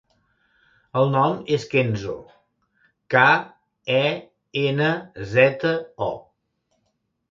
El nom és Kenzo: ca, e, ena, zeta, o.